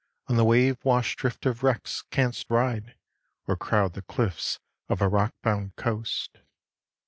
On the wave washed drift of wrecks canst ride Or crowd the cliffs of a rock bound coast.